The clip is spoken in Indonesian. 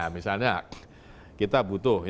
misalnya kita butuh